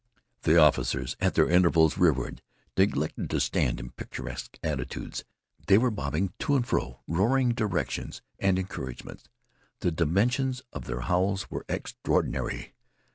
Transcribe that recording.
The officers, at their intervals, rearward, neglected to stand in picturesque attitudes. They were bobbing to and fro roaring directions and encouragements. The dimensions of their howls were extraordinary.